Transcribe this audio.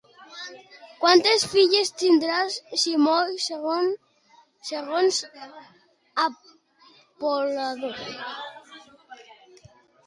Quantes filles tindria Simois, segons Apol·lodor?